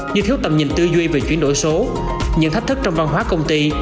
như thiếu tầm nhìn tư duy về chuyển đổi số những thách thức trong văn hóa công ty